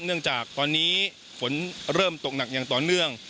เนื่องจากตอนนี้ฝนเริ่มตกหนักอย่างต่อเนื่อง